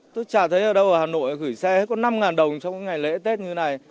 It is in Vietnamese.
tôi chả thấy ở đâu ở hà nội gửi xe có năm đồng trong ngày lễ tết như này